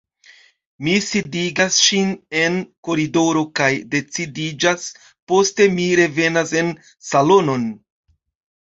Mi sidigas ŝin en koridoro kaj decidiĝas, poste mi revenas en salonon.